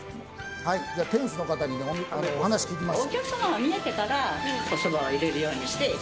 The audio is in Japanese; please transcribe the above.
店員の方にお話を聞きました。